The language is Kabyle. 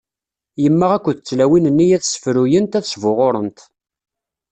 Yemma akked tlawin-nni ad ssefruyent, ad sbuɣurent.